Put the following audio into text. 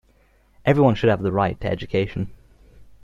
Everyone should have the right to education.